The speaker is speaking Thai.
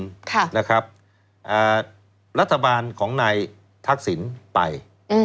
ค่ะนะครับอ่ารัฐบาลของนายทักษิณไปอืม